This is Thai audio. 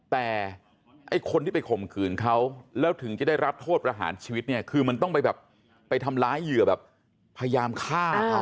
แต่ไอ้คนที่ไปข่มขืนเขาแล้วถึงจะได้รับโทษประหารชีวิตเนี่ยคือมันต้องไปแบบไปทำร้ายเหยื่อแบบพยายามฆ่าเขา